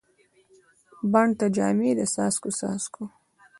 بڼ ته جامې د څاڅکو، څاڅکو